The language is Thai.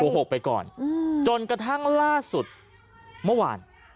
โกหกไปก่อนจนกระทั้งล่าสุดเมื่อวาน